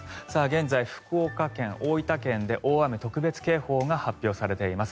現在、福岡県、大分県で大雨特別警報が発表されています。